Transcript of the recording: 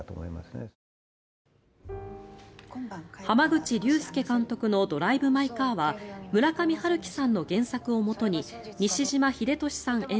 濱口竜介監督の「ドライブ・マイ・カー」は村上春樹さんの原作をもとに西島秀俊さん